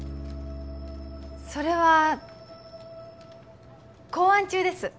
それは考案中です